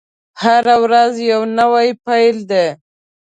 هره ورځ يو نوی پيل دی.